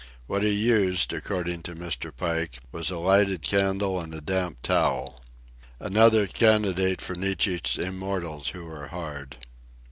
What he used, according to Mr. Pike, was a lighted candle and a damp towel. Another candidate for Nietzsche's immortals who are hard!